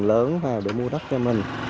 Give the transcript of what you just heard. tôi đã bỏ một số tiền lớn vào để mua đất cho mình